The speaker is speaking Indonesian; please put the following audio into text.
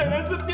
ella emang sedih